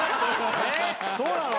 そうなの？